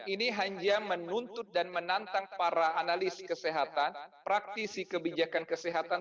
ini hanya menuntut dan menantang para analis kesehatan praktisi kebijakan kesehatan